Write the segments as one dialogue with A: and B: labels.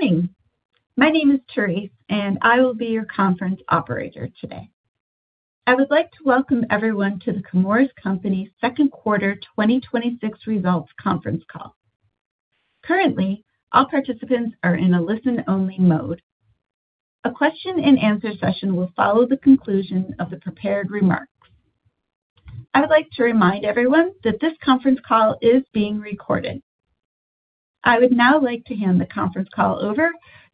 A: Good morning. My name is Therese, and I will be your conference operator today. I would like to welcome everyone to The Chemours Company Second Quarter 2026 Results Conference Call. Currently, all participants are in a listen-only mode. A question-and-answer session will follow the conclusion of the prepared remarks. I would like to remind everyone that this conference call is being recorded. I would now like to hand the conference call over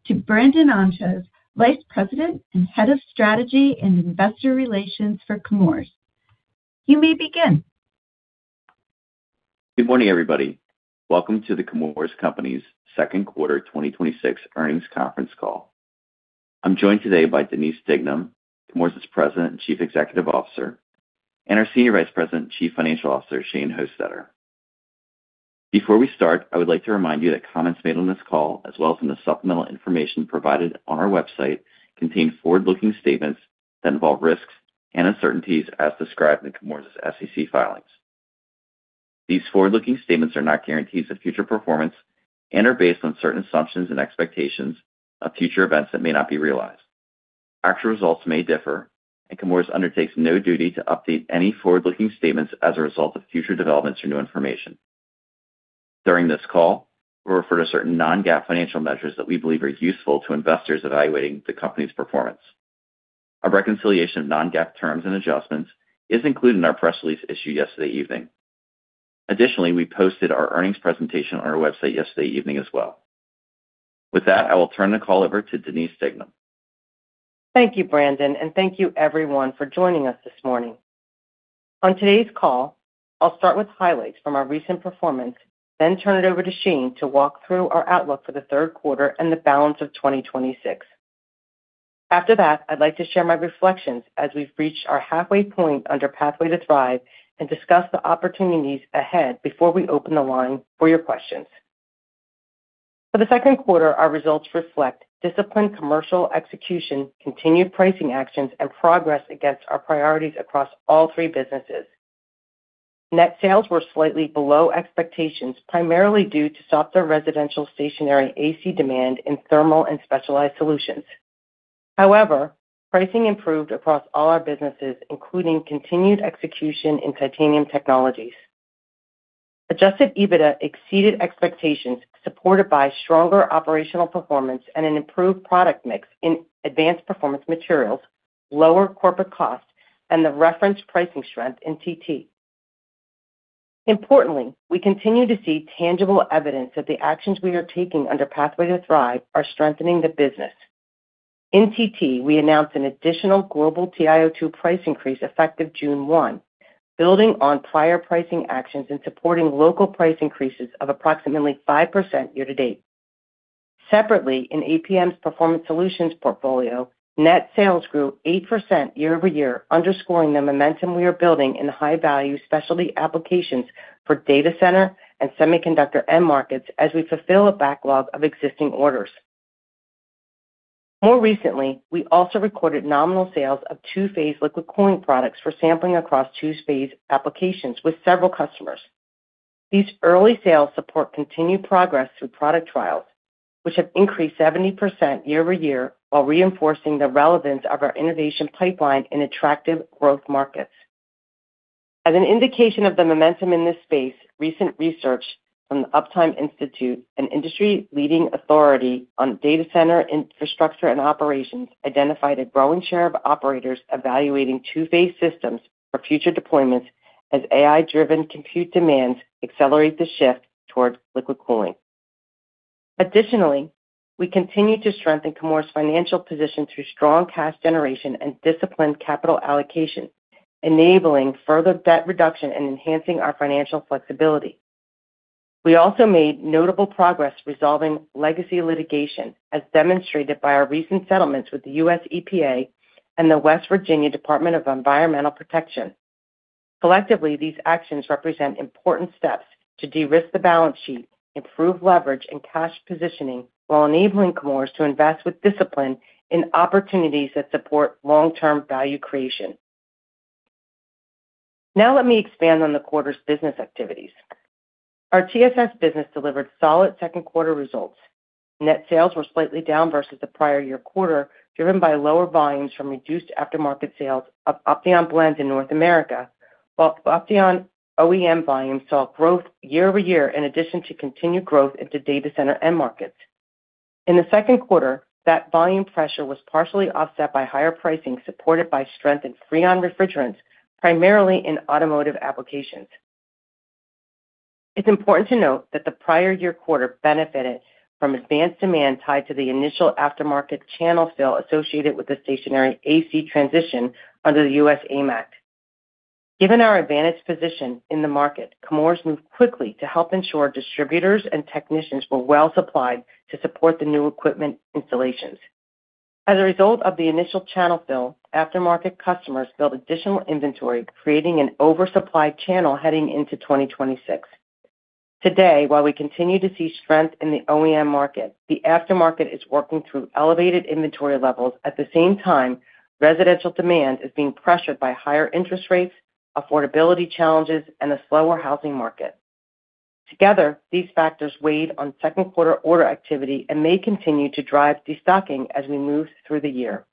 A: to Brandon Ontjes, Vice President and Head of Strategy and Investor Relations for Chemours. You may begin.
B: Good morning, everybody. Welcome to The Chemours Company's second quarter 2026 earnings conference call. I'm joined today by Denise Dignam, Chemours' President and Chief Executive Officer, and our Senior Vice President and Chief Financial Officer, Shane Hostetter. Before we start, I would like to remind you that comments made on this call, as well as in the supplemental information provided on our website, contain forward-looking statements that involve risks and uncertainties as described in Chemours' SEC filings. These forward-looking statements are not guarantees of future performance and are based on certain assumptions and expectations of future events that may not be realized. Actual results may differ, Chemours undertakes no duty to update any forward-looking statements as a result of future developments or new information. During this call, we refer to certain non-GAAP financial measures that we believe are useful to investors evaluating the company's performance. A reconciliation of non-GAAP terms and adjustments is included in our press release issued yesterday evening. We posted our earnings presentation on our website yesterday evening as well. I will turn the call over to Denise Dignam.
C: Thank you, Brandon, and thank you, everyone, for joining us this morning. On today's call, I'll start with highlights from our recent performance, turn it over to Shane to walk through our outlook for the third quarter and the balance of 2026. I'd like to share my reflections as we've reached our halfway point under Pathway to Thrive and discuss the opportunities ahead before we open the line for your questions. For the second quarter, our results reflect disciplined commercial execution, continued pricing actions, and progress against our priorities across all three businesses. Net sales were slightly below expectations, primarily due to softer residential stationary AC demand in thermal and specialized solutions. Pricing improved across all our businesses, including continued execution in Titanium Technologies. Adjusted EBITDA exceeded expectations, supported by stronger operational performance and an improved product mix in Advanced Performance Materials, lower corporate costs, and the referenced pricing strength in TT. Importantly, we continue to see tangible evidence that the actions we are taking under Pathway to Thrive are strengthening the business. In TT, we announced an additional global TiO2 price increase effective June 1, building on prior pricing actions and supporting local price increases of approximately 5% year-to-date. Separately, in APM's Performance Solutions portfolio, net sales grew 8% year-over-year, underscoring the momentum we are building in high-value specialty applications for data center and semiconductor end markets as we fulfill a backlog of existing orders. More recently, we also recorded nominal sales of two-phase liquid cooling products for sampling across two-phase applications with several customers. These early sales support continued progress through product trials, which have increased 70% year-over-year while reinforcing the relevance of our innovation pipeline in attractive growth markets. As an indication of the momentum in this space, recent research from the Uptime Institute, an industry-leading authority on data center infrastructure and operations, identified a growing share of operators evaluating two-phase systems for future deployments as AI-driven compute demands accelerate the shift towards liquid cooling. Additionally, we continue to strengthen Chemours' financial position through strong cash generation and disciplined capital allocation, enabling further debt reduction and enhancing our financial flexibility. We also made notable progress resolving legacy litigation, as demonstrated by our recent settlements with the U.S. EPA and the West Virginia Department of Environmental Protection. Collectively, these actions represent important steps to de-risk the balance sheet, improve leverage and cash positioning while enabling Chemours to invest with discipline in opportunities that support long-term value creation. Let me expand on the quarter's business activities. Our TSS business delivered solid second quarter results. Net sales were slightly down versus the prior year quarter, driven by lower volumes from reduced aftermarket sales of Opteon blend in North America, while Opteon OEM volumes saw growth year-over-year in addition to continued growth into data center end markets. In the second quarter, that volume pressure was partially offset by higher pricing supported by strength in Freon refrigerants, primarily in automotive applications. It's important to note that the prior year quarter benefited from advanced demand tied to the initial aftermarket channel fill associated with the stationary AC transition under the U.S. AIM Act. Given our advantaged position in the market, Chemours moved quickly to help ensure distributors and technicians were well supplied to support the new equipment installations. As a result of the initial channel fill, aftermarket customers built additional inventory, creating an oversupply channel heading into 2026. Today, while we continue to see strength in the OEM market, the aftermarket is working through elevated inventory levels. At the same time, residential demand is being pressured by higher interest rates, affordability challenges, and a slower housing market. Together, these factors weighed on second quarter order activity and may continue to drive destocking as we move through the year.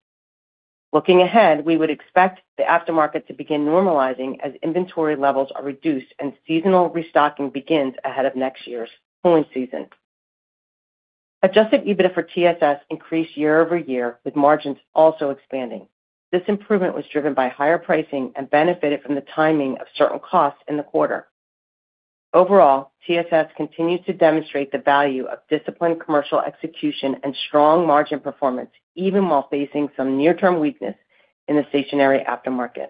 C: Looking ahead, we would expect the aftermarket to begin normalizing as inventory levels are reduced and seasonal restocking begins ahead of next year's cooling season. Adjusted EBITDA for TSS increased year-over-year, with margins also expanding. This improvement was driven by higher pricing and benefited from the timing of certain costs in the quarter. Overall, TSS continues to demonstrate the value of disciplined commercial execution and strong margin performance, even while facing some near-term weakness in the stationary aftermarket.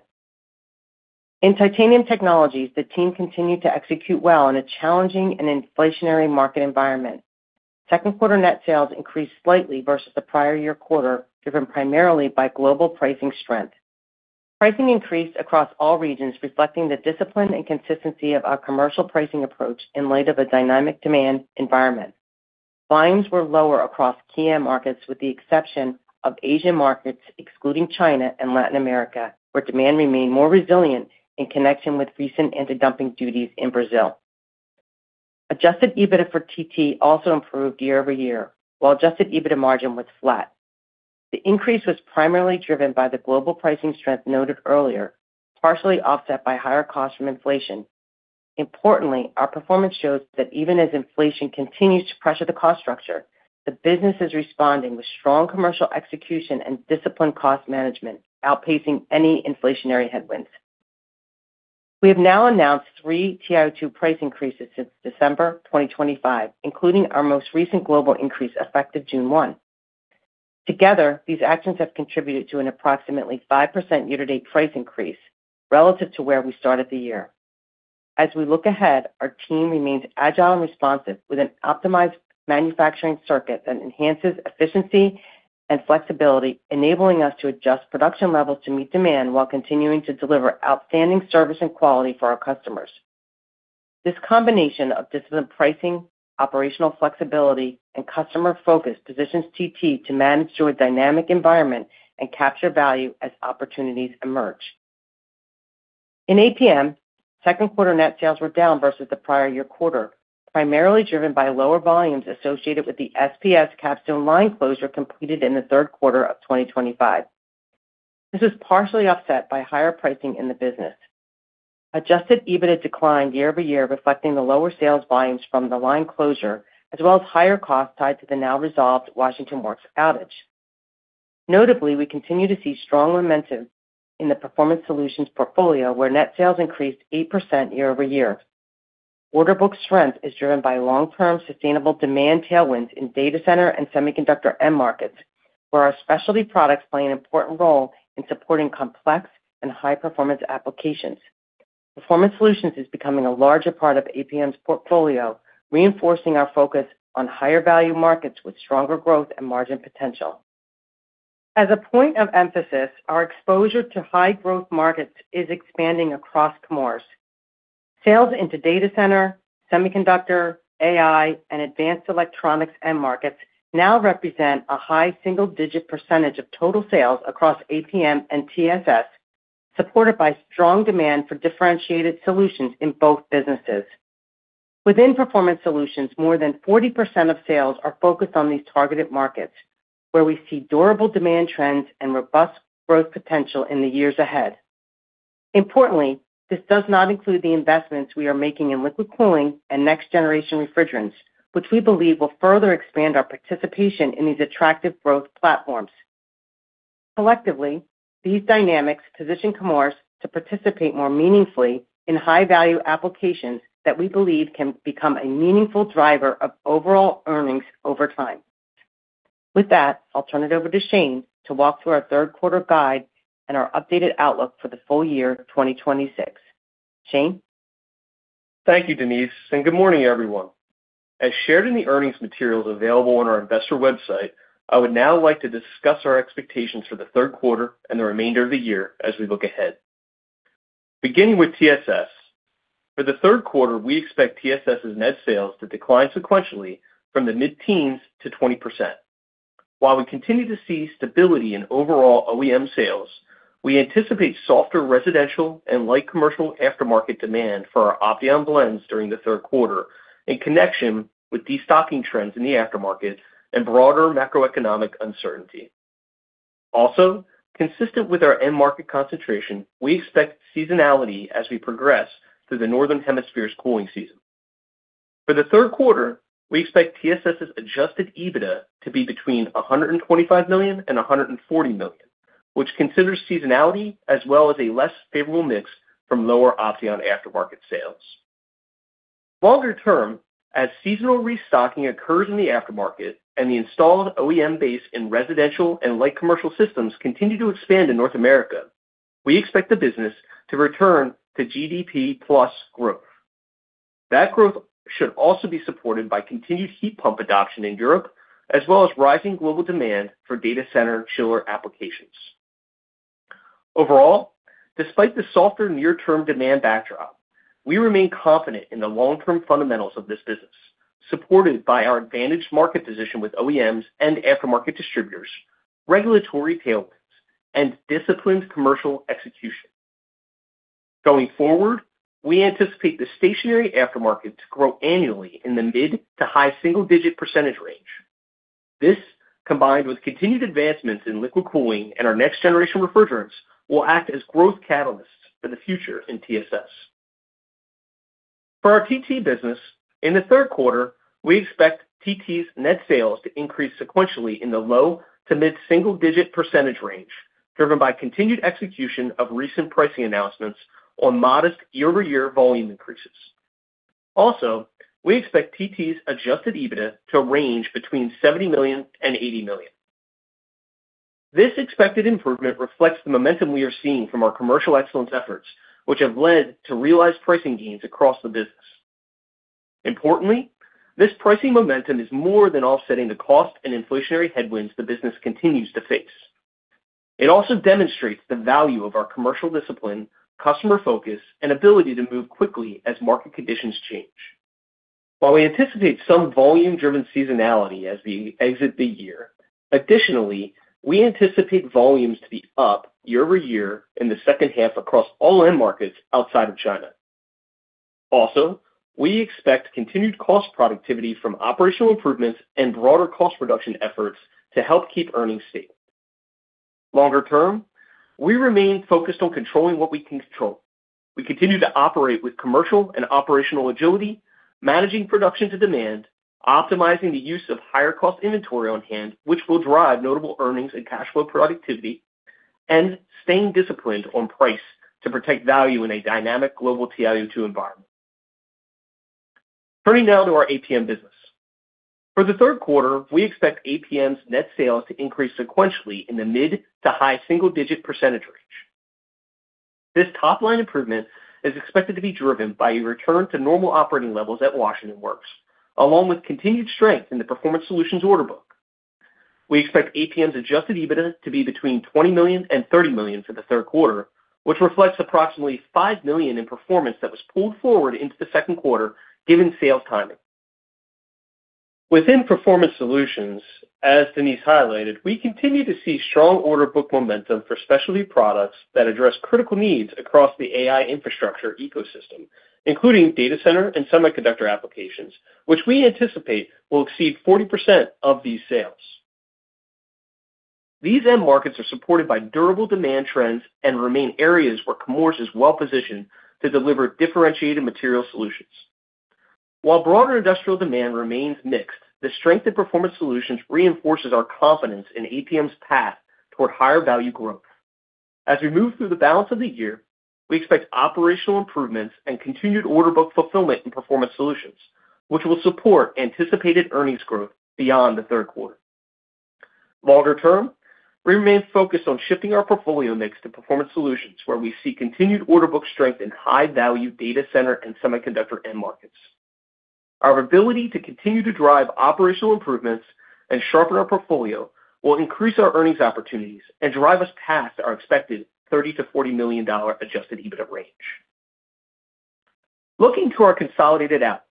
C: In Titanium Technologies, the team continued to execute well in a challenging and inflationary market environment. Second quarter net sales increased slightly versus the prior year quarter, driven primarily by global pricing strength. Pricing increased across all regions, reflecting the discipline and consistency of our commercial pricing approach in light of a dynamic demand environment. Volumes were lower across key end markets, with the exception of Asian markets, excluding China and Latin America, where demand remained more resilient in connection with recent antidumping duties in Brazil. Adjusted EBITDA for TT also improved year-over-year, while adjusted EBITDA margin was flat. The increase was primarily driven by the global pricing strength noted earlier, partially offset by higher costs from inflation. Importantly, our performance shows that even as inflation continues to pressure the cost structure, the business is responding with strong commercial execution and disciplined cost management, outpacing any inflationary headwinds. We have now announced three TiO2 price increases since December 2025, including our most recent global increase effective June 1. Together, these actions have contributed to an approximately 5% year-to-date price increase relative to where we started the year. As we look ahead, our team remains agile and responsive with an optimized manufacturing circuit that enhances efficiency and flexibility, enabling us to adjust production levels to meet demand while continuing to deliver outstanding service and quality for our customers. This combination of disciplined pricing, operational flexibility, and customer focus positions TT to manage through a dynamic environment and capture value as opportunities emerge. In APM, second quarter net sales were down versus the prior year quarter, primarily driven by lower volumes associated with the SPS Capstone line closure completed in the third quarter of 2025. This was partially offset by higher pricing in the business. Adjusted EBITDA declined year-over-year, reflecting the lower sales volumes from the line closure, as well as higher costs tied to the now resolved Washington Works outage. Notably, we continue to see strong momentum in the Performance Solutions portfolio, where net sales increased 8% year-over-year. Order book strength is driven by long-term sustainable demand tailwinds in data center and semiconductor end markets, where our specialty products play an important role in supporting complex and high-performance applications. Performance Solutions is becoming a larger part of APM's portfolio, reinforcing our focus on higher-value markets with stronger growth and margin potential. As a point of emphasis, our exposure to high-growth markets is expanding across Chemours. Sales into data center, semiconductor, AI, and advanced electronics end markets now represent a high single-digit percentage of total sales across APM and TSS, supported by strong demand for differentiated solutions in both businesses. Within Performance Solutions, more than 40% of sales are focused on these targeted markets, where we see durable demand trends and robust growth potential in the years ahead. Importantly, this does not include the investments we are making in liquid cooling and next-generation refrigerants, which we believe will further expand our participation in these attractive growth platforms. Collectively, these dynamics position Chemours to participate more meaningfully in high-value applications that we believe can become a meaningful driver of overall earnings over time. With that, I'll turn it over to Shane to walk through our third quarter guide and our updated outlook for the full year 2026. Shane?
D: Thank you, Denise, and good morning, everyone. As shared in the earnings materials available on our investor website, I would now like to discuss our expectations for the third quarter and the remainder of the year as we look ahead. Beginning with TSS. For the third quarter, we expect TSS's net sales to decline sequentially from the mid-teens to 20%. While we continue to see stability in overall OEM sales, we anticipate softer residential and light commercial aftermarket demand for our Opteon blends during the third quarter in connection with destocking trends in the aftermarket and broader macroeconomic uncertainty. Consistent with our end market concentration, we expect seasonality as we progress through the Northern Hemisphere's cooling season. For the third quarter, we expect TSS's adjusted EBITDA to be between $125 million and $140 million, which considers seasonality as well as a less favorable mix from lower Opteon aftermarket sales. Longer term, as seasonal restocking occurs in the aftermarket and the installed OEM base in residential and light commercial systems continue to expand in North America, we expect the business to return to GDP plus growth. That growth should also be supported by continued heat pump adoption in Europe, as well as rising global demand for data center chiller applications. Overall, despite the softer near-term demand backdrop, we remain confident in the long-term fundamentals of this business, supported by our advantaged market position with OEMs and aftermarket distributors, regulatory tailwinds, and disciplined commercial execution. Going forward, we anticipate the stationary aftermarket to grow annually in the mid to high single-digit percentage range. This, combined with continued advancements in liquid cooling and our next-generation refrigerants, will act as growth catalysts for the future in TSS. For our TT business, in the third quarter, we expect TT's net sales to increase sequentially in the low to mid-single-digit percentage range, driven by continued execution of recent pricing announcements on modest year-over-year volume increases. We expect TT's adjusted EBITDA to range between $70 million and $80 million. This expected improvement reflects the momentum we are seeing from our commercial excellence efforts, which have led to realized pricing gains across the business. Importantly, this pricing momentum is more than offsetting the cost and inflationary headwinds the business continues to face. It also demonstrates the value of our commercial discipline, customer focus, and ability to move quickly as market conditions change. While we anticipate some volume-driven seasonality as we exit the year, additionally, we anticipate volumes to be up year-over-year in the second half across all end markets outside of China. Also, we expect continued cost productivity from operational improvements and broader cost reduction efforts to help keep earnings stable. Longer term, we remain focused on controlling what we can control. We continue to operate with commercial and operational agility, managing production to demand, optimizing the use of higher-cost inventory on-hand, which will drive notable earnings and cash flow productivity, and staying disciplined on price to protect value in a dynamic global TiO2 environment. Turning now to our APM business. For the third quarter, we expect APM's net sales to increase sequentially in the mid to high single-digit percentage range. This top-line improvement is expected to be driven by a return to normal operating levels at Washington Works, along with continued strength in the Performance Solutions order book. We expect APM's adjusted EBITDA to be between $20 million and $30 million for the third quarter, which reflects approximately $5 million in performance that was pulled forward into the second quarter given sales timing. Within Performance Solutions, as Denise highlighted, we continue to see strong order book momentum for specialty products that address critical needs across the AI infrastructure ecosystem, including data center and semiconductor applications, which we anticipate will exceed 40% of these sales. These end markets are supported by durable demand trends and remain areas where Chemours is well-positioned to deliver differentiated material solutions. While broader industrial demand remains mixed, the strength in Performance Solutions reinforces our confidence in APM's path toward higher value growth. As we move through the balance of the year, we expect operational improvements and continued order book fulfillment in Performance Solutions, which will support anticipated earnings growth beyond the third quarter. Longer term, we remain focused on shifting our portfolio mix to Performance Solutions, where we see continued order book strength in high-value data center and semiconductor end markets. Our ability to continue to drive operational improvements and sharpen our portfolio will increase our earnings opportunities and drive us past our expected $30 million to $40 million adjusted EBITDA range. Looking to our consolidated outlook,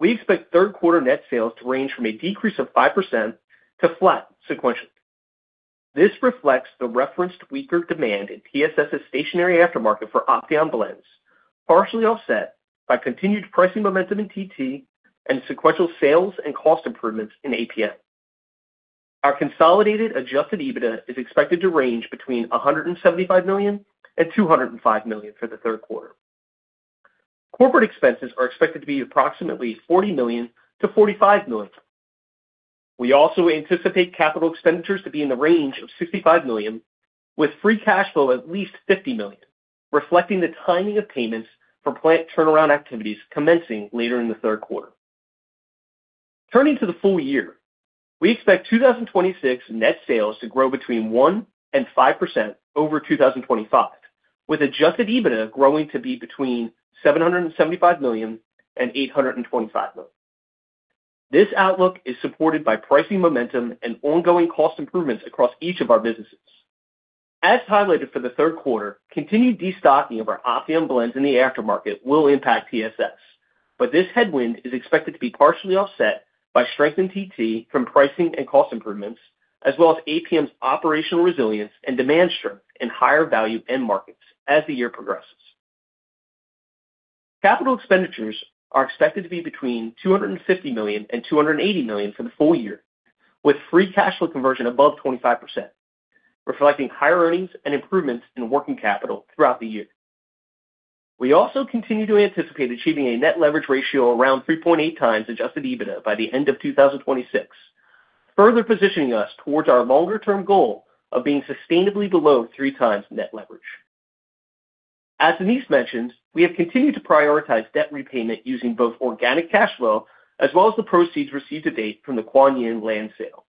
D: we expect third quarter net sales to range from a decrease of 5% to flat sequentially. This reflects the referenced weaker demand in TSS' stationary aftermarket for Opteon blends, partially offset by continued pricing momentum in TT and sequential sales and cost improvements in APM. Our consolidated adjusted EBITDA is expected to range between $175 million and $205 million for the third quarter. Corporate expenses are expected to be approximately $40 million-$45 million. We also anticipate capital expenditures to be in the range of $65 million with free cash flow at least $50 million, reflecting the timing of payments for plant turnaround activities commencing later in the third quarter. Turning to the full year, we expect 2026 net sales to grow between 1% and 5% over 2025, with adjusted EBITDA growing to be between $775 million and $825 million. This outlook is supported by pricing momentum and ongoing cost improvements across each of our businesses. As highlighted for the third quarter, continued destocking of our Opteon blends in the aftermarket will impact TSS. This headwind is expected to be partially offset by strength in TT from pricing and cost improvements, as well as APM's operational resilience and demand strength in higher value end markets as the year progresses. Capital expenditures are expected to be between $250 million and $280 million for the full year, with free cash flow conversion above 25%, reflecting higher earnings and improvements in working capital throughout the year. We also continue to anticipate achieving a net leverage ratio around 3.8x adjusted EBITDA by the end of 2026, further positioning us towards our longer-term goal of being sustainably below three times net leverage. As Denise mentioned, we have continued to prioritize debt repayment using both organic cash flow as well as the proceeds received to date from the Kuan Yin land sale.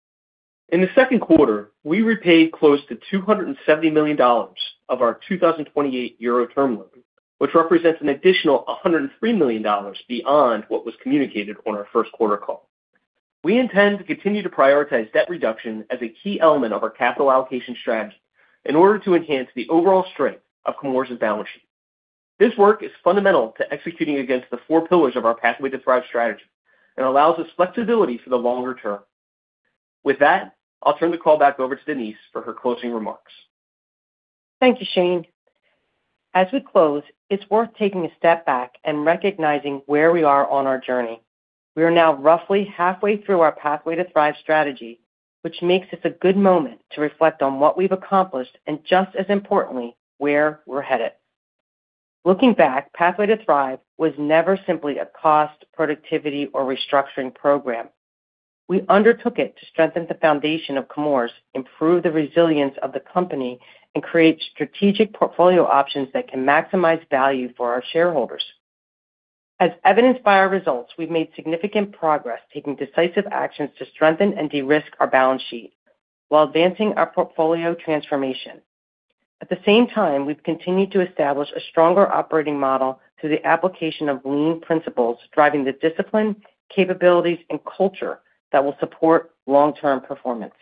D: In the second quarter, we repaid close to $270 million of our 2028 Euro term loan, which represents an additional $103 million beyond what was communicated on our first quarter call. We intend to continue to prioritize debt reduction as a key element of our capital allocation strategy in order to enhance the overall strength of Chemours's balance sheet. This work is fundamental to executing against the four pillars of our Pathway to Thrive strategy and allows us flexibility for the longer term. With that, I'll turn the call back over to Denise for her closing remarks.
C: Thank you, Shane. As we close, it's worth taking a step back and recognizing where we are on our journey. We are now roughly halfway through our Pathway to Thrive strategy, which makes this a good moment to reflect on what we've accomplished and just as importantly, where we're headed. Looking back, Pathway to Thrive was never simply a cost, productivity, or restructuring program. We undertook it to strengthen the foundation of Chemours, improve the resilience of the company, and create strategic portfolio options that can maximize value for our shareholders. As evidenced by our results, we've made significant progress taking decisive actions to strengthen and de-risk our balance sheet while advancing our portfolio transformation. At the same time, we've continued to establish a stronger operating model through the application of lean principles, driving the discipline, capabilities, and culture that will support long-term performance.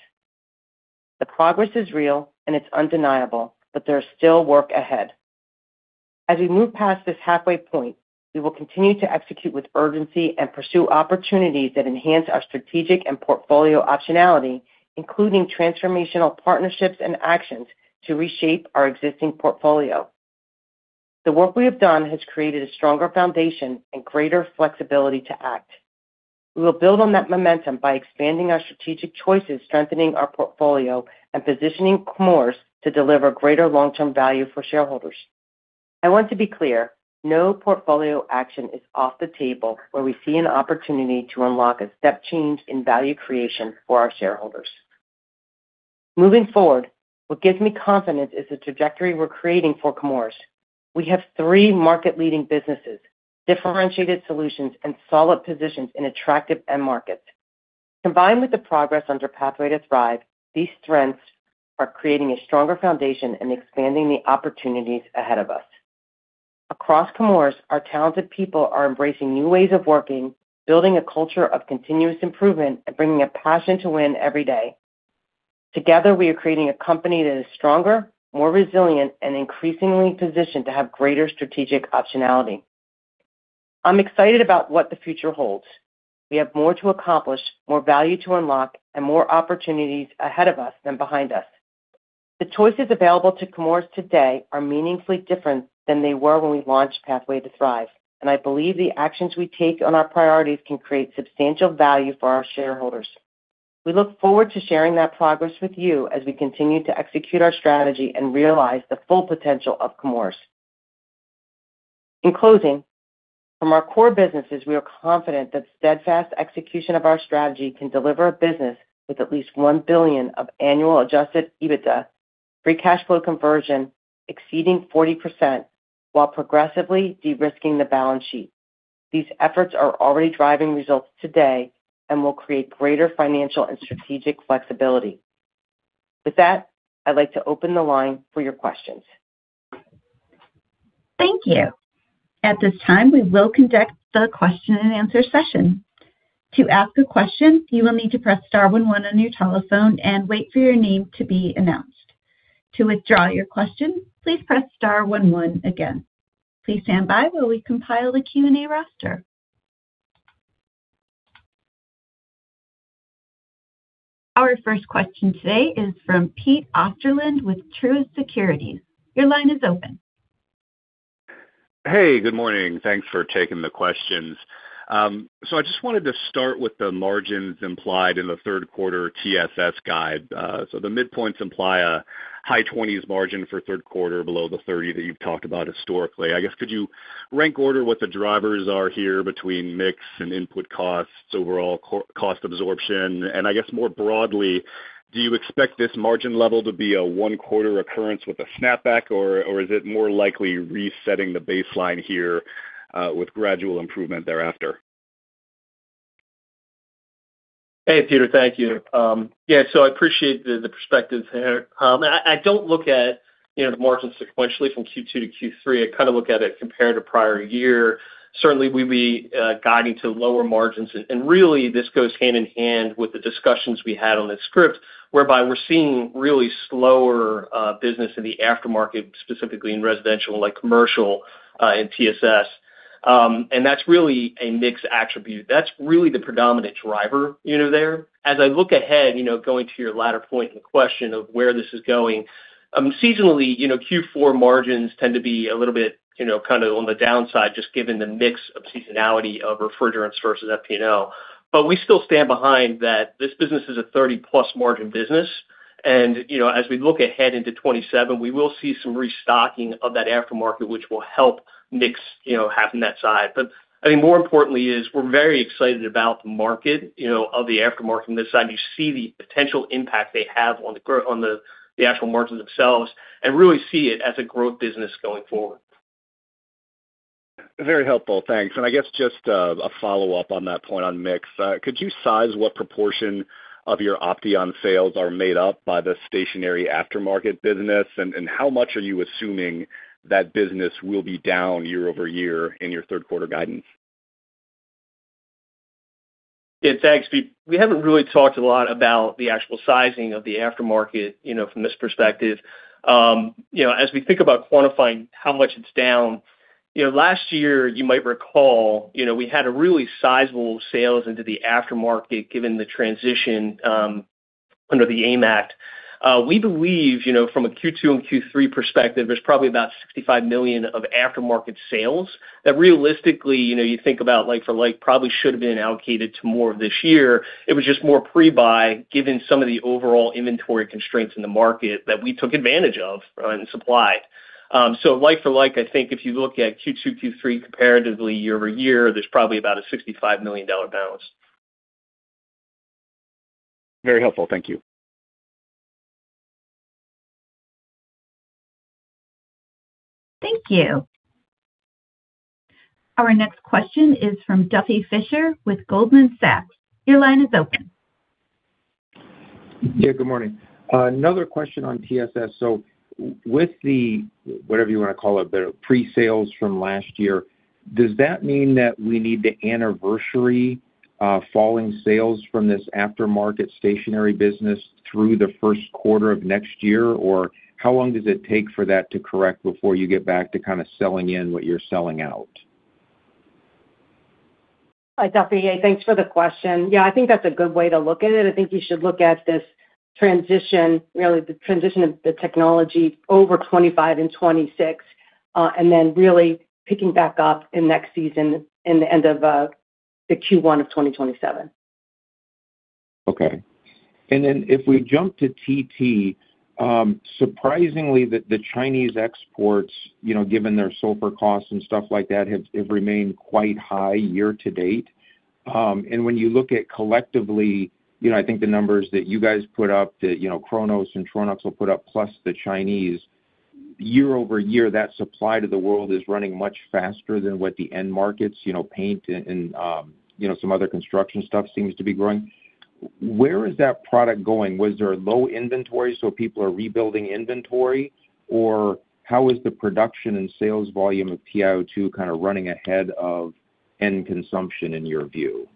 C: The progress is real and it's undeniable. There's still work ahead. As we move past this halfway point, we will continue to execute with urgency and pursue opportunities that enhance our strategic and portfolio optionality, including transformational partnerships and actions to reshape our existing portfolio. The work we have done has created a stronger foundation and greater flexibility to act. We will build on that momentum by expanding our strategic choices, strengthening our portfolio, and positioning Chemours to deliver greater long-term value for shareholders. I want to be clear, no portfolio action is off the table where we see an opportunity to unlock a step change in value creation for our shareholders. Moving forward, what gives me confidence is the trajectory we're creating for Chemours. We have three market-leading businesses, differentiated solutions, and solid positions in attractive end markets. Combined with the progress under Pathway to Thrive, these strengths are creating a stronger foundation and expanding the opportunities ahead of us. Across Chemours, our talented people are embracing new ways of working, building a culture of continuous improvement and bringing a passion to win every day. Together, we are creating a company that is stronger, more resilient, and increasingly positioned to have greater strategic optionality. I'm excited about what the future holds. We have more to accomplish, more value to unlock, and more opportunities ahead of us than behind us. The choices available to Chemours today are meaningfully different than they were when we launched Pathway to Thrive, and I believe the actions we take on our priorities can create substantial value for our shareholders. We look forward to sharing that progress with you as we continue to execute our strategy and realize the full potential of Chemours. In closing, from our core businesses, we are confident that steadfast execution of our strategy can deliver a business with at least $1 billion of annual adjusted EBITDA, free cash flow conversion exceeding 40%, while progressively de-risking the balance sheet. These efforts are already driving results today and will create greater financial and strategic flexibility. With that, I'd like to open the line for your questions.
A: Thank you. At this time, we will conduct the question-and-answer session. To ask a question, you will need to press star one one on your telephone and wait for your name to be announced. To withdraw your question, please press star one one again. Please stand by while we compile a Q&A roster. Our first question today is from Peter Osterland with Truist Securities. Your line is open.
E: Hey, good morning. Thanks for taking the questions. I just wanted to start with the margins implied in the third quarter TSS guide. The midpoints imply a high 20s margin for third quarter below the 30 that you've talked about historically. I guess could you rank order what the drivers are here between mix and input costs, overall cost absorption, and I guess more broadly, do you expect this margin level to be a one-quarter occurrence with a snapback, or is it more likely resetting the baseline here with gradual improvement thereafter?
D: Hey, Peter. Thank you. I appreciate the perspectives here. I don't look at the margins sequentially from Q2 to Q3. I kind of look at it compared to prior year. Certainly, we'd be guiding to lower margins, and really this goes hand in hand with the discussions we had on the script, whereby we're seeing really slower business in the aftermarket, specifically in residential and commercial in TSS. That's really a mix attribute. That's really the predominant driver there. As I look ahead, going to your latter point and question of where this is going, seasonally, Q4 margins tend to be a little bit on the downside, just given the mix of seasonality of refrigerants versus FPL. We still stand behind that this business is a 30+ margin business, and as we look ahead into 2027, we will see some restocking of that aftermarket, which will help mix happen that side. I think more importantly is we're very excited about the market of the aftermarket on this side, and you see the potential impact they have on the actual margins themselves, and really see it as a growth business going forward.
E: Very helpful. Thanks. I guess just a follow-up on that point on mix. Could you size what proportion of your Opteon sales are made up by the stationary aftermarket business, and how much are you assuming that business will be down year-over-year in your third quarter guidance?
D: Thanks. We haven't really talked a lot about the actual sizing of the aftermarket from this perspective. As we think about quantifying how much it's down, last year, you might recall, we had really sizable sales into the aftermarket given the transition under the AIM Act. We believe from a Q2 and Q3 perspective, there's probably about $65 million of aftermarket sales that realistically, you think about like for like, probably should have been allocated to more of this year. It was just more pre-buy, given some of the overall inventory constraints in the market that we took advantage of and supplied. Like for like, I think if you look at Q2, Q3 comparatively year-over-year, there's probably about a $65 million balance.
E: Very helpful. Thank you.
A: Thank you. Our next question is from Duffy Fischer with Goldman Sachs. Your line is open.
F: Good morning. Another question on TSS. With the, whatever you want to call it, the pre-sales from last year, does that mean that we need to anniversary falling sales from this aftermarket stationary business through the first quarter of next year? Or how long does it take for that to correct before you get back to kind of selling in what you're selling out?
C: Hi, Duffy. Hey, thanks for the question. I think that's a good way to look at it. I think you should look at this transition, really the transition of the technology over 2025 and 2026, and then really picking back up in next season in the end of the Q1 of 2027.
F: Okay. If we jump to TT, surprisingly, the Chinese exports, given their sulfur costs and stuff like that, have remained quite high year to date. When you look at collectively, I think the numbers that you guys put up, that KRONOS and Tronox will put up, plus the Chinese, year-over-year, that supply to the world is running much faster than what the end markets, paint and some other construction stuff seems to be growing. Where is that product going? Was there low inventory, so people are rebuilding inventory? Or how is the production and sales volume of TiO2 kind of running ahead of end consumption in your view?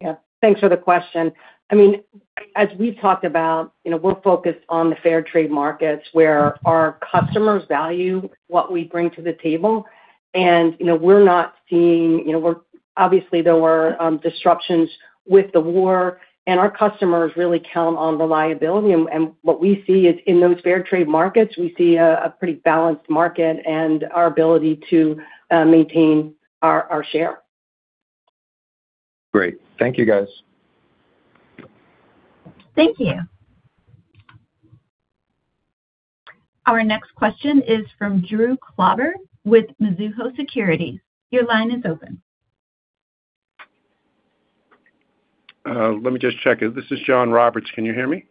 C: Yeah. Thanks for the question. As we've talked about, we're focused on the fair trade markets where our customers value what we bring to the table. Obviously, there were disruptions with the war, and our customers really count on reliability. What we see is in those fair trade markets, we see a pretty balanced market and our ability to maintain our share.
F: Great. Thank you, guys.
A: Thank you. Our next question is from Drew Klauber with Mizuho Securities. Your line is open.
G: Let me just check. This is John Roberts. Can you hear me?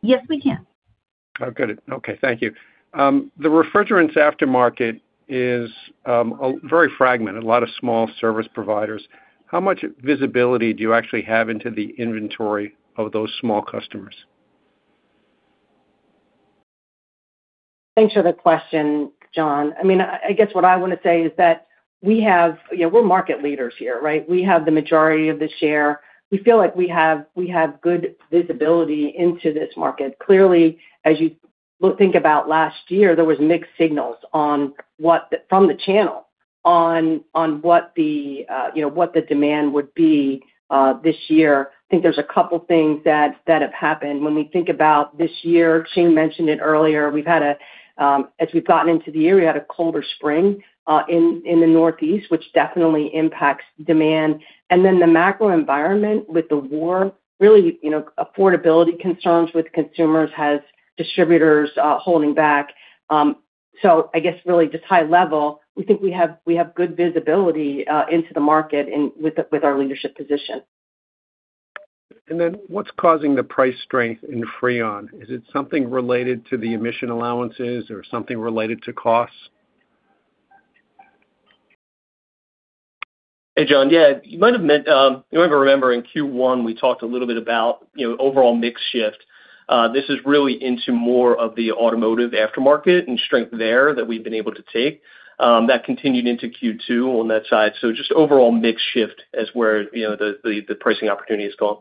A: Yes, we can.
G: Oh, good. Okay, thank you. The refrigerants aftermarket is very fragmented, a lot of small service providers. How much visibility do you actually have into the inventory of those small customers?
C: Thanks for the question, John. I guess what I want to say is that we're market leaders here, right? We have the majority of the share. We feel like we have good visibility into this market. Clearly, as you think about last year, there was mixed signals from the channel on what the demand would be this year. I think there are two things that have happened when we think about this year. Shane mentioned it earlier. As we've gotten into the year, we had a colder spring in the Northeast, which definitely impacts demand. The macro environment with the war, really, affordability concerns with consumers has distributors holding back. I guess really just high level, we think we have good visibility into the market and with our leadership position.
G: What's causing the price strength in Freon? Is it something related to the emission allowances or something related to costs?
D: Hey, John. Yeah. You might remember in Q1, we talked a little bit about overall mix shift. This is really into more of the automotive aftermarket and strength there that we've been able to take. That continued into Q2 on that side. Just overall mix shift is where the pricing opportunity has gone.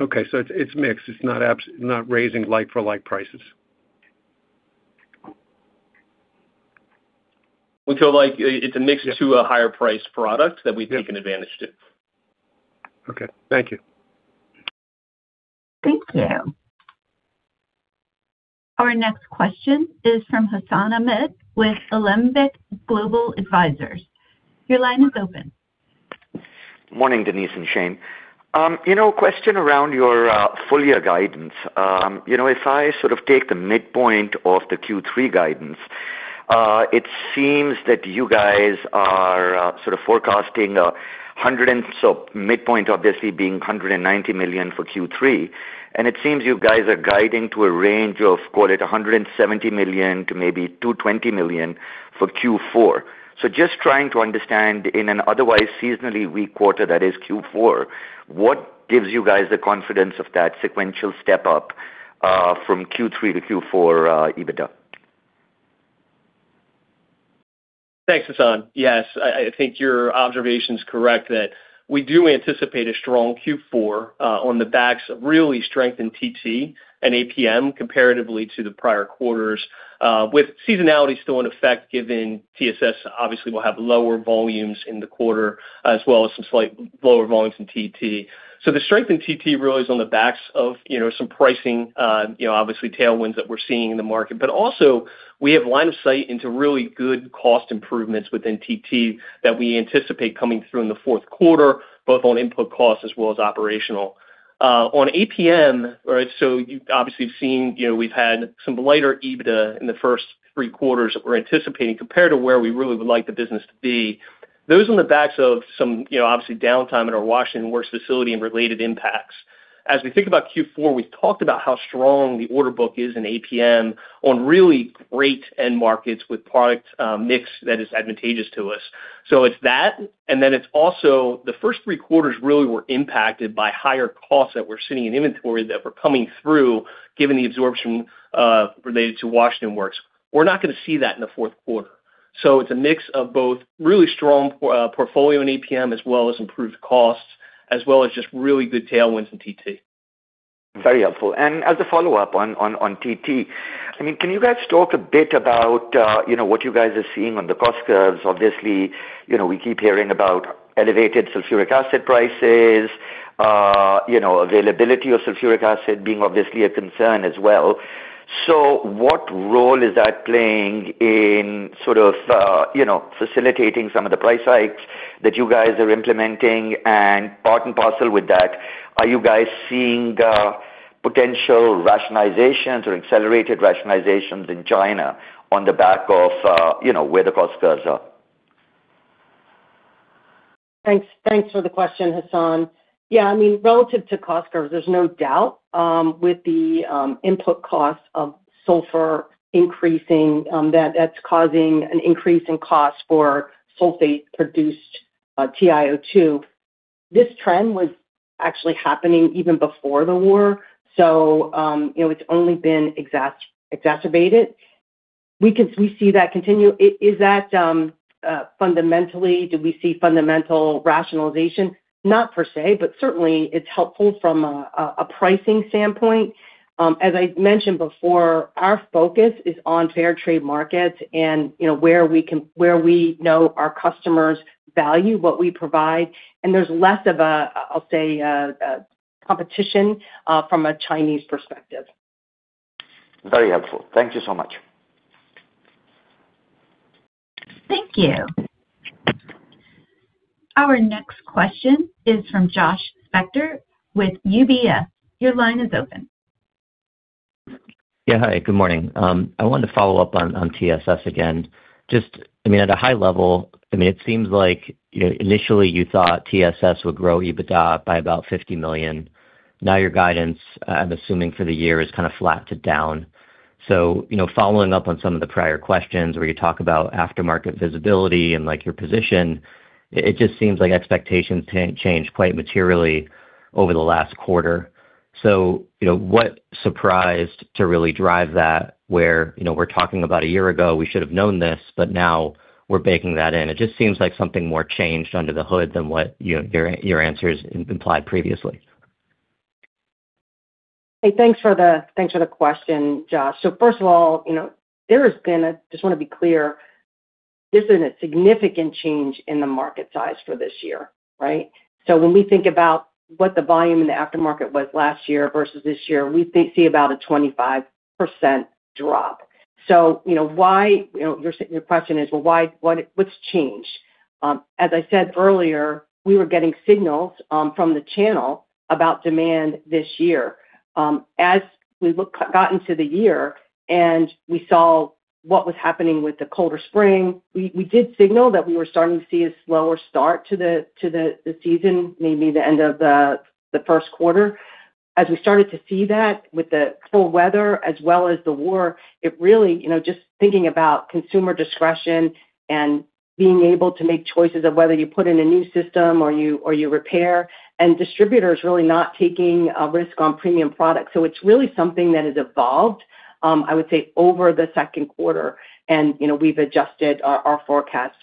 G: Okay, it's mixed. It's not raising like for like prices.
D: We feel like it's a mix to a higher priced product that we've taken advantage to.
G: Okay. Thank you.
A: Thank you. Our next question is from Hassan Ahmed with Alembic Global Advisors. Your line is open.
H: Morning, Denise and Shane. A question around your full year guidance. If I sort of take the midpoint of the Q3 guidance, it seems that you guys are sort of forecasting midpoint obviously being $190 million for Q3, and it seems you guys are guiding to a range of, call it $170 million to maybe $220 million for Q4. Just trying to understand in an otherwise seasonally weak quarter that is Q4, what gives you guys the confidence of that sequential step up from Q3 to Q4 EBITDA?
D: Thanks, Hassan. I think your observation's correct that we do anticipate a strong Q4 on the backs of really strengthened TT and APM comparatively to the prior quarters, with seasonality still in effect given TSS obviously will have lower volumes in the quarter, as well as some slightly lower volumes in TT. The strength in TT really is on the backs of some pricing, obviously tailwinds that we're seeing in the market, but also we have line of sight into really good cost improvements within TT that we anticipate coming through in the fourth quarter, both on input costs as well as operational. On APM, you obviously have seen we've had some lighter EBITDA in the first three quarters that we're anticipating compared to where we really would like the business to be. Those are on the backs of some obviously downtime at our Washington Works facility and related impacts. As we think about Q4, we've talked about how strong the order book is in APM on really great end markets with product mix that is advantageous to us. It's that, and then it's also the first three quarters really were impacted by higher costs that we're seeing in inventory that were coming through, given the absorption related to Washington Works. We're not going to see that in the fourth quarter. It's a mix of both really strong portfolio in APM as well as improved costs, as well as just really good tailwinds in TT.
H: Very helpful. As a follow-up on TT, can you guys talk a bit about what you guys are seeing on the cost curves? Obviously, we keep hearing about elevated sulfuric acid prices, availability of sulfuric acid being obviously a concern as well. What role is that playing in facilitating some of the price hikes that you guys are implementing? Part and parcel with that, are you guys seeing potential rationalizations or accelerated rationalizations in China on the back of where the cost curves are?
C: Thanks for the question, Hassan. Relative to cost curves, there's no doubt with the input costs of sulfur increasing that that's causing an increase in cost for sulfate-produced TiO2. This trend was actually happening even before the war, it's only been exacerbated. We see that continue. Do we see fundamental rationalization? Not per se, certainly it's helpful from a pricing standpoint. As I mentioned before, our focus is on fair trade markets and where we know our customers value what we provide, and there's less of a, I'll say, competition from a Chinese perspective.
H: Very helpful. Thank you so much.
A: Thank you. Our next question is from Josh Spector with UBS. Your line is open.
I: Yeah, hi. Good morning. I wanted to follow up on TSS again. Just at a high level, it seems like initially you thought TSS would grow EBITDA by about $50 million. Now your guidance, I'm assuming for the year, is kind of flat to down. Following up on some of the prior questions where you talk about aftermarket visibility and your position, it just seems like expectations changed quite materially over the last quarter. What surprised to really drive that, where we're talking about a year ago we should have known this, but now we're baking that in. It just seems like something more changed under the hood than what your answers implied previously.
C: Hey, thanks for the question, Josh. First of all, I just want to be clear, this isn't a significant change in the market size for this year, right? When we think about what the volume in the aftermarket was last year versus this year, we see about a 25% drop. Your question is, well, what's changed? As I said earlier, we were getting signals from the channel about demand this year. As we got into the year and we saw what was happening with the colder spring, we did signal that we were starting to see a slower start to the season, maybe the end of the first quarter. As we started to see that with the cold weather as well as the war, just thinking about consumer discretion and being able to make choices of whether you put in a new system or you repair, and distributors really not taking a risk on premium products. It's really something that has evolved, I would say, over the second quarter, and we've adjusted our forecast.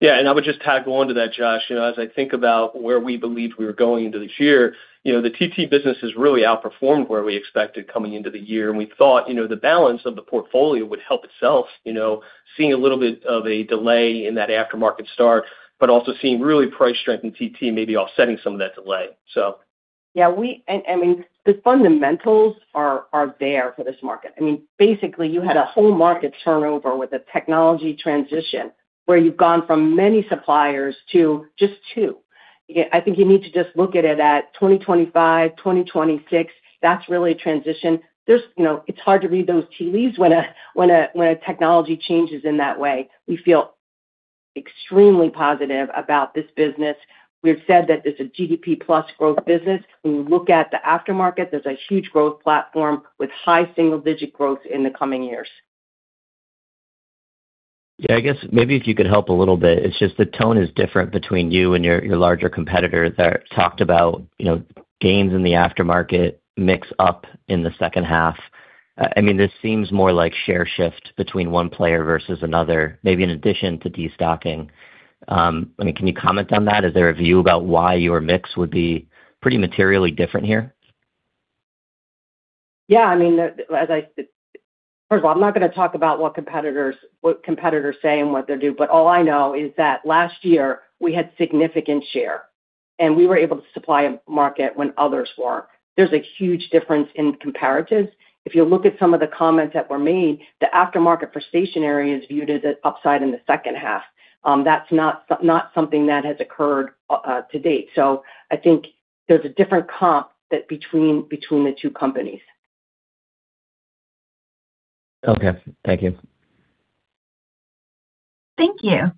D: Yeah, I would just tag on to that, Josh. As I think about where we believed we were going into this year, the TT business has really outperformed where we expected coming into the year, and we thought the balance of the portfolio would help itself, seeing a little bit of a delay in that aftermarket start, but also seeing really price strength in TT maybe offsetting some of that delay.
C: Yeah. The fundamentals are there for this market. Basically, you had a whole market turnover with a technology transition where you've gone from many suppliers to just two. I think you need to just look at it at 2025, 2026. That's really a transition. It's hard to read those tea leaves when a technology changes in that way. We feel extremely positive about this business. We've said that it's a GDP plus growth business. When you look at the aftermarket, there's a huge growth platform with high single-digit growth in the coming years.
I: Yeah, I guess maybe if you could help a little bit. It's just the tone is different between you and your larger competitor that talked about gains in the aftermarket mix up in the second half. This seems more like share shift between one player versus another, maybe in addition to destocking. Can you comment on that? Is there a view about why your mix would be pretty materially different here?
C: Yeah. First of all, I'm not going to talk about what competitors say and what they do, but all I know is that last year we had significant share, and we were able to supply a market when others weren't. There's a huge difference in comparatives. If you look at some of the comments that were made, the aftermarket for stationary is viewed as an upside in the second half. That's not something that has occurred to date. I think there's a different comp between the two companies.
I: Okay. Thank you.
A: Thank you.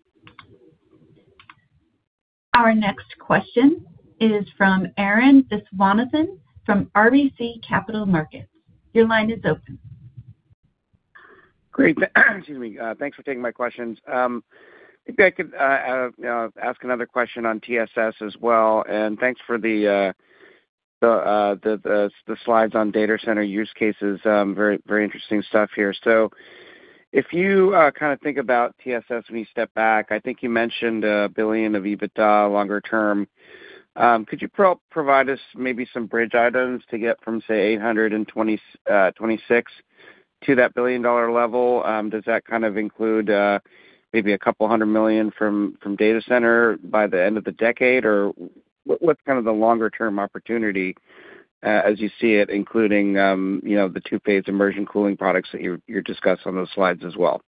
A: Our next question is from Arun Viswanathan from RBC Capital Markets. Your line is open.
J: Great. Excuse me. Thanks for taking my questions. Maybe I could ask another question on TSS as well. Thanks for the slides on data center use cases. Very interesting stuff here. If you think about TSS when you step back, I think you mentioned a $1 billion of EBITDA longer term. Could you provide us maybe some bridge items to get from, say, $800 million in 2026 to that $1 billion level? Does that kind of include maybe $200 million from data center by the end of the decade? Or what's the longer-term opportunity as you see it, including the two-phase immersion cooling products that you discussed on those slides as well?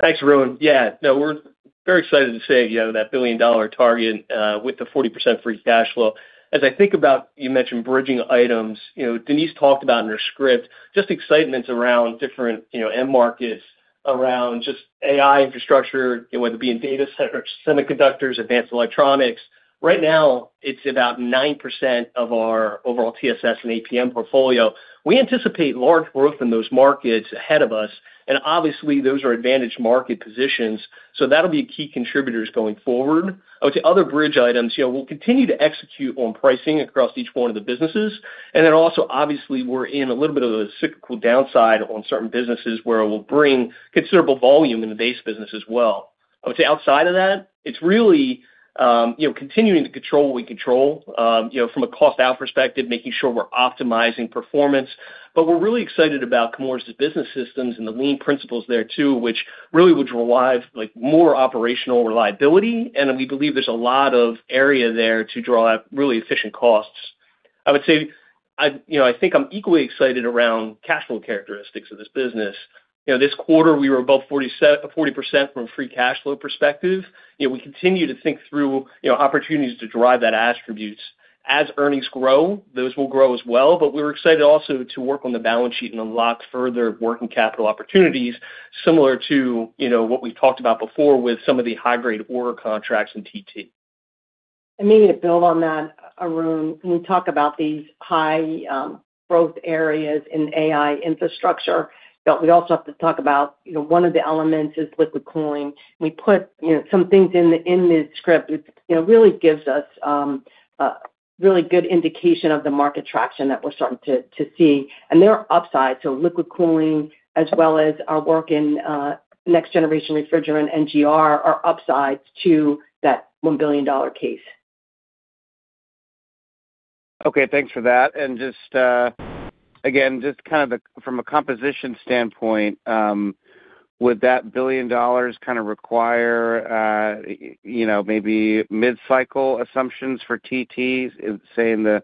D: Thanks, Arun. Yeah, no, we're very excited to say that $1 billion target with the 40% free cash flow. As I think about, you mentioned bridging items. Denise talked about in her script, just excitements around different end markets, around AI infrastructure, whether it be in data center, semiconductors, advanced electronics. Right now, it's about 9% of our overall TSS and APM portfolio. We anticipate large growth in those markets ahead of us, and obviously those are advantage market positions, so that'll be key contributors going forward. I would say other bridge items, we'll continue to execute on pricing across each one of the businesses. Also, obviously, we're in a little bit of a cyclical downside on certain businesses where it will bring considerable volume in the base business as well. I would say outside of that, it's really continuing to control what we control. From a cost-out perspective, making sure we're optimizing performance. We're really excited about Chemours' business systems and the lean principles there too, which really would drive more operational reliability. We believe there's a lot of area there to drive really efficient costs. I would say, I think I'm equally excited around cash flow characteristics of this business. This quarter, we were above 40% from a free cash flow perspective. We continue to think through opportunities to drive that attribute. As earnings grow, those will grow as well, but we're excited also to work on the balance sheet and unlock further working capital opportunities similar to what we've talked about before with some of the high-grade order contracts in TT.
C: Maybe to build on that, Arun, when we talk about these high growth areas in AI infrastructure, we also have to talk about one of the elements is liquid cooling. We put some things in this script. It really gives us a really good indication of the market traction that we're starting to see, and there are upsides. Liquid cooling as well as our work in next generation refrigerant, NGR, are upsides to that $1 billion case.
J: Okay, thanks for that. Just, again, just from a composition standpoint, would that $1 billion require maybe mid-cycle assumptions for TT, say, in the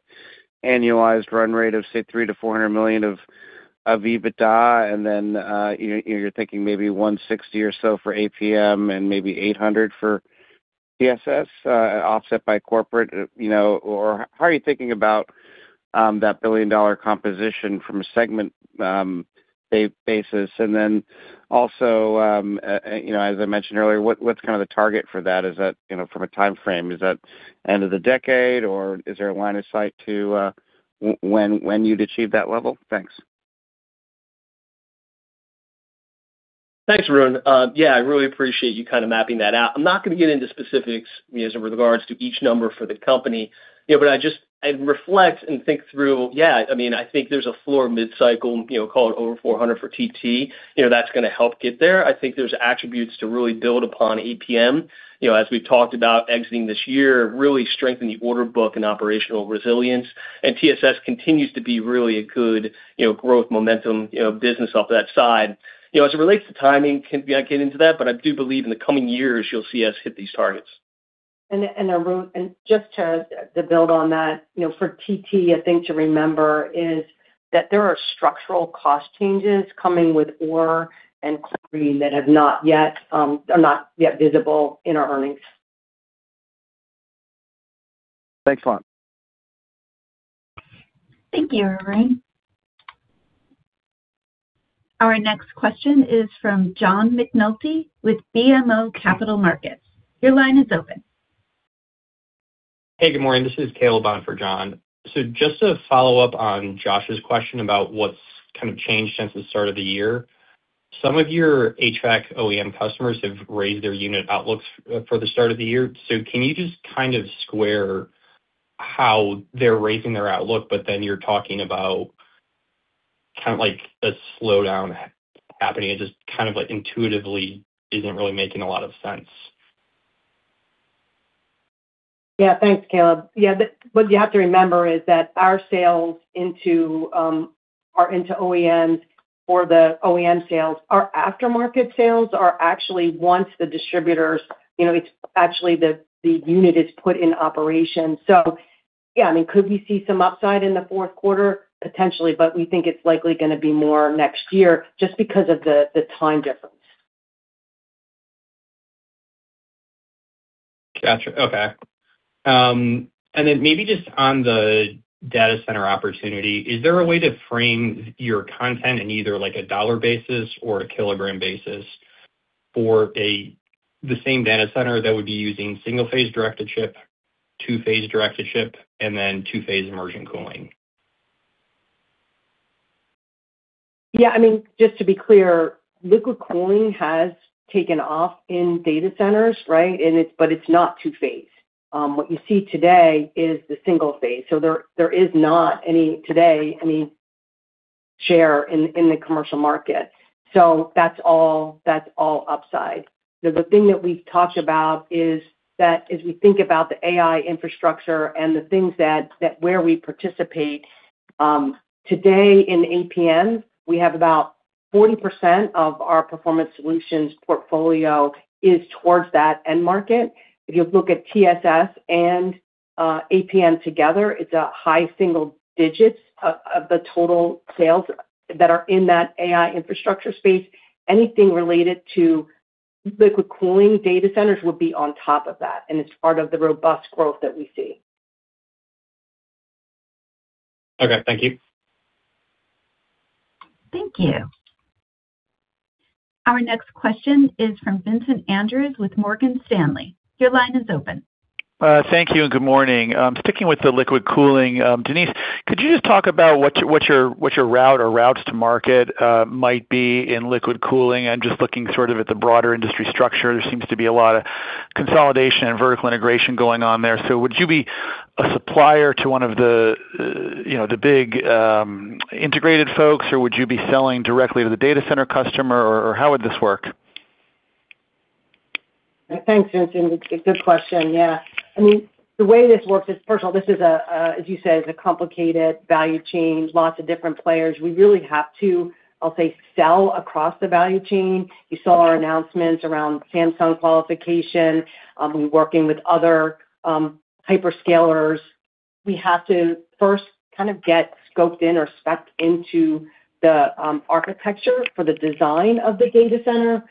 J: annualized run rate of, say, $300 million-$400 million of EBITDA, and then you're thinking maybe $160 or so for APM and maybe $800 for TSS offset by corporate? How are you thinking about that $1 billion composition from a segment basis? Then also, as I mentioned earlier, what's the target for that? From a time frame, is that end of the decade, or is there a line of sight to when you'd achieve that level? Thanks.
D: Thanks, Arun. Yeah, I really appreciate you mapping that out. I'm not going to get into specifics as regards to each number for the company. I reflect and think through, yeah, I think there's a floor mid-cycle, call it over $400 for TT. That's going to help get there. I think there's attributes to really build upon APM. As we've talked about exiting this year, really strengthen the order book and operational resilience. TSS continues to be really a good growth momentum business off that side. As it relates to timing, can't get into that, but I do believe in the coming years you'll see us hit these targets.
C: Arun, just to build on that, for TT, a thing to remember is that there are structural cost changes coming with ore and chlorine that are not yet visible in our earnings.
J: Thanks a lot.
A: Thank you, Arun. Our next question is from John McNulty with BMO Capital Markets. Your line is open.
K: Hey, good morning. This is Caleb Bon for John. Just to follow up on Josh's question about what's kind of changed since the start of the year. Some of your HVAC OEM customers have raised their unit outlooks for the start of the year. Can you just square how they're raising their outlook, but then you're talking about a slowdown happening? It just intuitively isn't really making a lot of sense.
C: Thanks, Caleb. What you have to remember is that our sales into OEMs or the OEM sales, our aftermarket sales are actually once the distributors, it's actually the unit is put in operation. Could we see some upside in the fourth quarter? Potentially, but we think it's likely going to be more next year just because of the time difference.
K: Got you. Maybe just on the data center opportunity, is there a way to frame your content in either like a dollar basis or a kilogram basis for the same data center that would be using single-phase direct-to-chip, two-phase direct-to-chip, and two-phase immersion cooling?
C: Just to be clear, liquid cooling has taken off in data centers. It's not two-phase. What you see today is the single phase. There is not, today, any share in the commercial market. That's all upside. The thing that we've talked about is that as we think about the AI infrastructure and the things where we participate, today in APM, we have about 40% of our Performance Solutions portfolio is towards that end market. If you look at TSS and APM together, it's a high single digits of the total sales that are in that AI infrastructure space. Anything related to liquid cooling data centers would be on top of that, and it's part of the robust growth that we see.
K: Thank you.
A: Thank you. Our next question is from Vincent Andrews with Morgan Stanley. Your line is open.
L: Thank you, and good morning. Sticking with the liquid cooling. Denise, could you just talk about what your route or routes to market might be in liquid cooling and just looking sort of at the broader industry structure? There seems to be a lot of consolidation and vertical integration going on there. Would you be a supplier to one of the big integrated folks, or would you be selling directly to the data center customer, or how would this work?
C: Thanks, Vincent. It's a good question. Yeah. The way this works is, first of all, this is a, as you said, is a complicated value chain, lots of different players. We really have to, I'll say, sell across the value chain. You saw our announcements around Samsung qualification. We're working with other hyperscalers. We have to first kind of get scoped in or specked into the architecture for the design of the data center.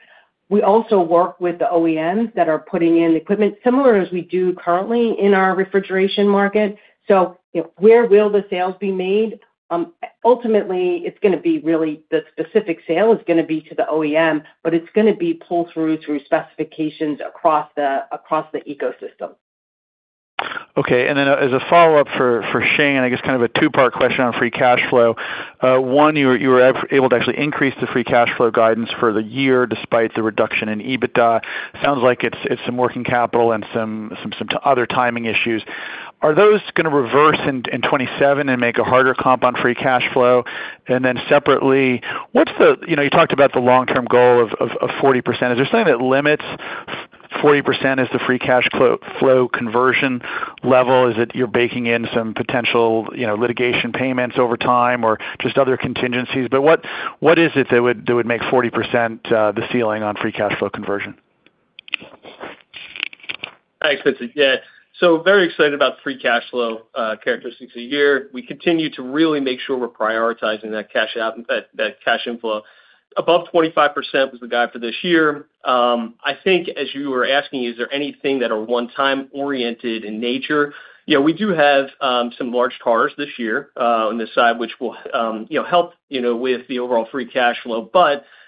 C: We also work with the OEMs that are putting in equipment, similar as we do currently in our refrigeration market. Where will the sales be made? Ultimately, it's going to be really the specific sale is going to be to the OEM, but it's going to be pull through specifications across the ecosystem.
L: Okay. As a follow-up for Shane, I guess kind of a two-part question on free cash flow. One, you were able to actually increase the free cash flow guidance for the year despite the reduction in EBITDA. Sounds like it's some working capital and some other timing issues. Are those going to reverse in 2027 and make a harder comp on free cash flow? Separately, you talked about the long-term goal of 40%. Is there something that limits 40% as the free cash flow conversion level? Is it you're baking in some potential litigation payments over time or just other contingencies? What is it that would make 40% the ceiling on free cash flow conversion?
D: Thanks, Vincent. Very excited about free cash flow characteristics of the year. We continue to really make sure we're prioritizing that cash inflow. Above 25% was the guide for this year. I think as you were asking, is there anything that are one-time oriented in nature? We do have some large cash this year on this side, which will help with the overall free cash flow.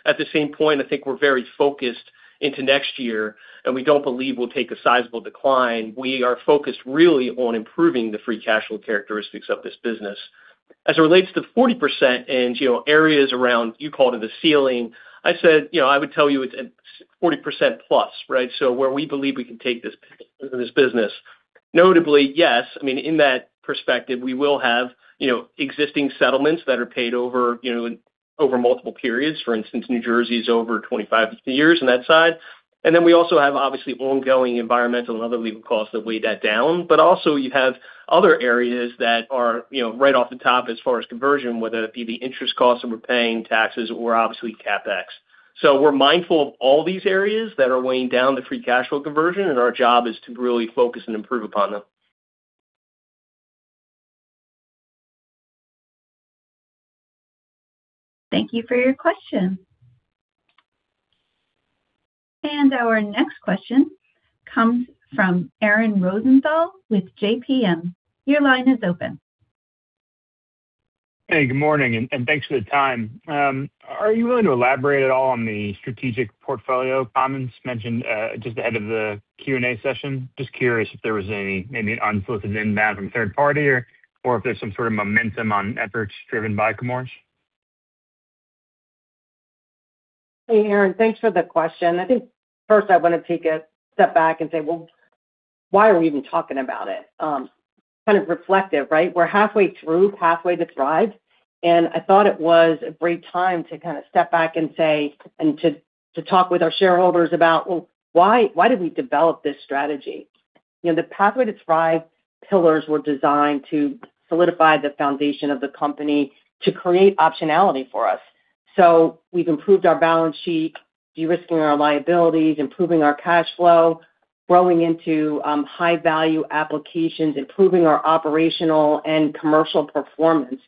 D: At the same point, I think we're very focused into next year, and we don't believe we'll take a sizable decline. We are focused really on improving the free cash flow characteristics of this business. As it relates to 40% and areas around, you call it the ceiling. I said, I would tell you it's at 40%+ right? Where we believe we can take this business. Notably, yes, in that perspective, we will have existing settlements that are paid over multiple periods. For instance, New Jersey is over 25 years on that side. We also have, obviously, ongoing environmental and other legal costs that weigh that down. You have other areas that are right off the top as far as conversion, whether that be the interest costs that we're paying, taxes, or obviously CapEx. We're mindful of all these areas that are weighing down the free cash flow conversion, and our job is to really focus and improve upon them.
A: Thank you for your question. Our next question comes from Aaron Rosenthal with JPMorgan. Your line is open.
M: Good morning, and thanks for the time. Are you willing to elaborate at all on the strategic portfolio comments mentioned just ahead of the Q&A session? Just curious if there was any unsolicited inbound from a third party, or if there's some sort of momentum on efforts driven by Chemours.
C: Hey, Aaron. Thanks for the question. I think first I want to take a step back and say, well, why are we even talking about it? Kind of reflective, right? We're halfway through Pathway to Thrive, I thought it was a great time to step back and to talk with our shareholders about why did we develop this strategy. The Pathway to Thrive pillars were designed to solidify the foundation of the company to create optionality for us. We've improved our balance sheet, de-risking our liabilities, improving our cash flow, growing into high-value applications, improving our operational and commercial performance.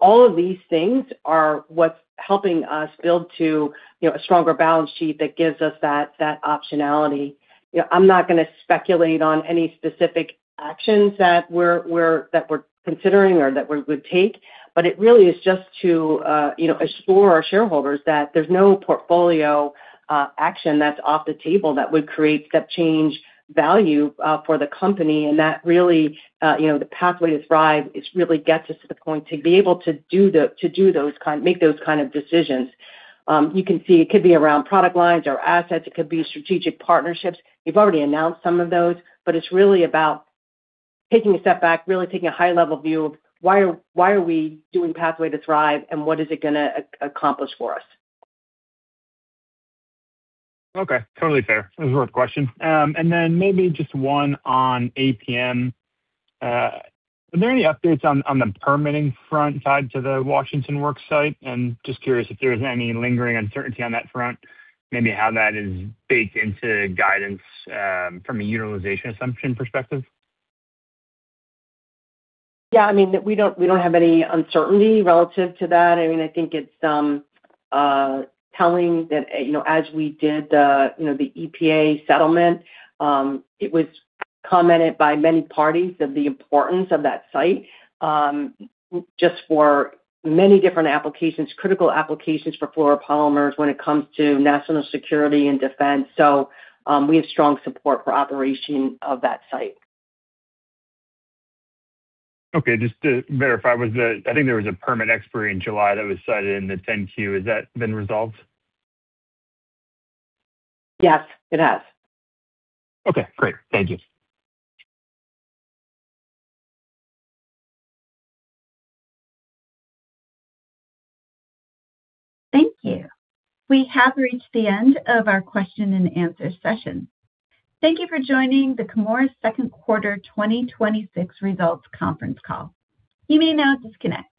C: All of these things are what's helping us build to a stronger balance sheet that gives us that optionality. I'm not going to speculate on any specific actions that we're considering or that we would take. It really is just to assure our shareholders that there's no portfolio action that's off the table that would create step-change value for the company. That really, the Pathway to Thrive, it really gets us to the point to be able to make those kind of decisions. You can see it could be around product lines or assets. It could be strategic partnerships. We've already announced some of those. It's really about taking a step back, really taking a high-level view of why are we doing Pathway to Thrive and what is it going to accomplish for us.
M: Okay. Totally fair. It was a worth question. Then maybe just one on APM. Are there any updates on the permitting front side to the Washington Works site? I'm just curious if there's any lingering uncertainty on that front, maybe how that is baked into guidance from a utilization assumption perspective.
C: Yeah, we don't have any uncertainty relative to that. I think it's telling that as we did the EPA settlement, it was commented by many parties of the importance of that site just for many different applications, critical applications for fluoropolymers when it comes to national security and defense. We have strong support for operation of that site.
M: Okay, just to verify, I think there was a permit expiry in July that was cited in the 10-Q. Has that been resolved?
C: Yes, it has.
M: Okay, great. Thank you.
A: Thank you. We have reached the end of our question and answer session. Thank you for joining the Chemours Second Quarter 2026 Results Conference Call. You may now disconnect.